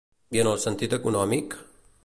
I en el sentit econòmic?